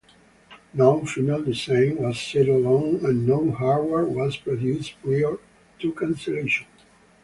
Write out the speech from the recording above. No final design was settled on and no hardware was produced prior to cancellation.